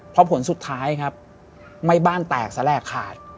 เพราะผลสุดท้ายครับไม่บ้านแตกแสลกขาด